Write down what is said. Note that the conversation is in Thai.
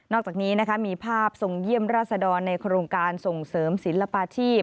อกจากนี้มีภาพทรงเยี่ยมราษดรในโครงการส่งเสริมศิลปาชีพ